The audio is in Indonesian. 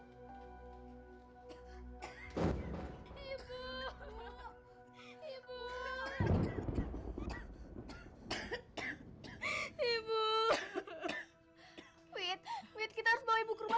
sampai jumpa di video selanjutnya